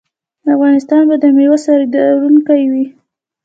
افغانستان به د میوو صادروونکی وي.